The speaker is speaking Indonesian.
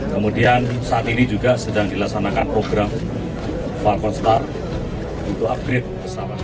kemudian saat ini juga sedang dilaksanakan program falcon start untuk upgrade pesawat